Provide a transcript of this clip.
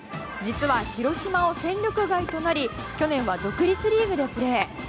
実は広島を戦力外となり去年は独立リーグでプレー。